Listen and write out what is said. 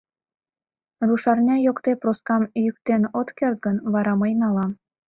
Рушарня йокте Проскам йӱктен от керт гын, вара мый налам.